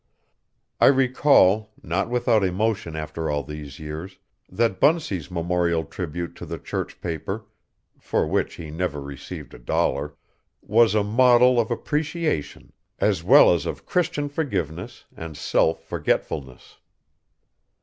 I recall, not without emotion after all these years, that Bunsey's memorial tribute to the church paper for which he never received a dollar was a model of appreciation as well as of Christian forgiveness and self forgetfulness.